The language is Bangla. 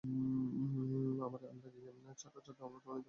আমরা গিয়ে পুরো চার্ট ডাটা ডাউনলোড করে নিতে পারি?